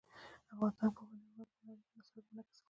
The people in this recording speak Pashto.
افغانستان کې پابندي غرونه په هنري اثارو کې منعکس کېږي.